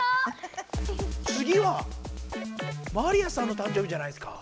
つぎはマリアさんの誕生日じゃないですか？